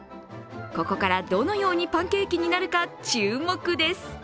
ここから、どのようにパンケーキになるか注目です。